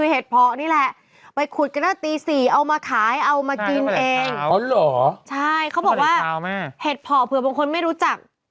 เห็ดเพราะเผลอบางคนไม่รู้จัก